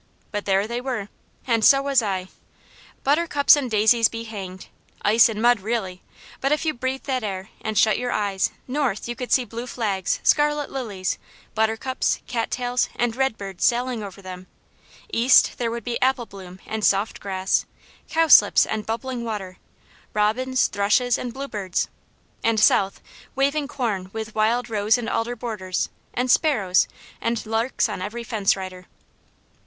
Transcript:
But there they were! And so was I! Buttercups and daisies be hanged! Ice and mud really! But if you breathed that air, and shut your eyes, north, you could see blue flags, scarlet lilies, buttercups, cattails and redbirds sailing over them; east, there would be apple bloom and soft grass, cowslips, and bubbling water, robins, thrushes, and bluebirds; and south, waving corn with wild rose and alder borders, and sparrows, and larks on every fence rider.